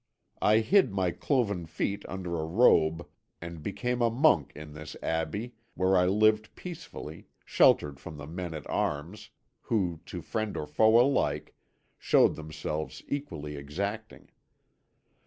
I hid my cloven feet under a robe and became a monk in this Abbey, where I lived peacefully, sheltered from the men at arms who to friend or foe alike showed themselves equally exacting.